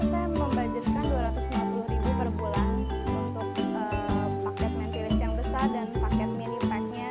kalau budget khusus saya membudgetkan rp dua ratus sembilan puluh per bulan untuk paket netilis yang besar dan paket mini pack nya